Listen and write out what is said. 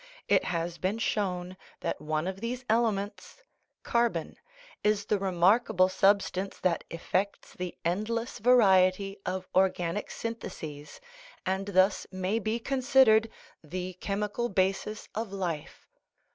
It has been shown that one of these elements carbon is the remarkable substance that effects the endless variety of organic syntheses, and thus may be considered " the chemical basis of life."